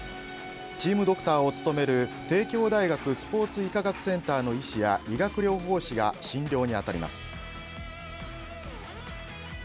チームドクターを務める帝京大学スポーツ医科学センターの医師や理学療法士が診療に当たります。